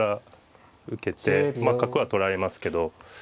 まあ角は取られますけど。